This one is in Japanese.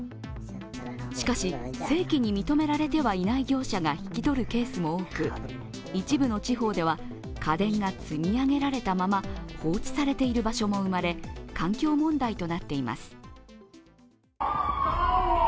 しかし、正規に認められてはいない業者が引き取るケースも多く、一部の地方では家電が積み上げられたまま放置されている場所も生まれ環境問題となっています。